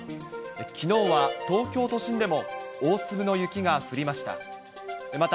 きのうは東京都心でも大粒の雪が降りました。